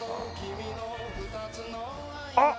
あっ！